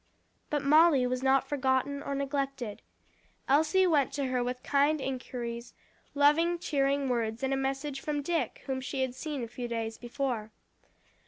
But Molly was not forgotten or neglected. Elsie went to her with kind inquiries, loving cheering words and a message from Dick, whom she had seen a few days before.